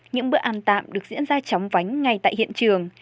những bữa ăn tạm được diễn ra chóng vánh ngay tại hiện trường